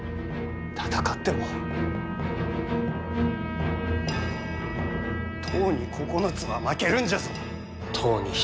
戦っても十に九つは負けるんじゃぞ。